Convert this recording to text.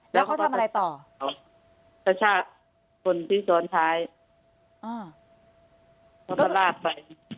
แล้วเขาทำอะไรต่อคุณที่สวนท้ายอ่า